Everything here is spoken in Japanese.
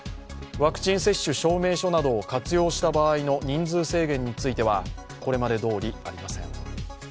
ワクチン接種証明書などを活用した場合の人数制限についてはこれまでどおり、ありません。